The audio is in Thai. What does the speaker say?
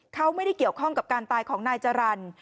เขาไม่ได้เกี่ยวข้องกับการตายของนายจรรย์